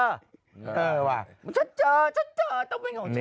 เออว่ะฉันเจอฉันเจอต้องเป็นของฉัน